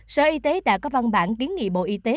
sở y tế đã có văn bản kiến nghị bộ y tế